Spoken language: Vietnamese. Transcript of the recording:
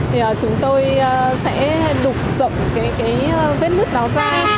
thì chúng tôi sẽ đục rộng cái vết nứt đó ra